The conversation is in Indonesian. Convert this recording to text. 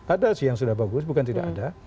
ada sih yang sudah bagus bukan tidak ada